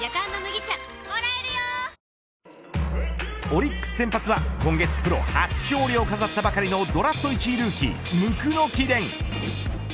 オリックス先発は今月プロ初勝利を飾ったばかりのドラフト１位ルーキー椋木蓮。